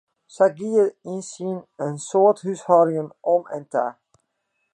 Sa gie it yn in soad húshâldingen om en ta.